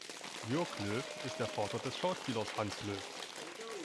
Jürg Löw ist der Vater des Schauspielers Hans Löw.